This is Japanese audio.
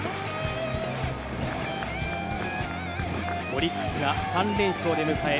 オリックスが３連勝で迎え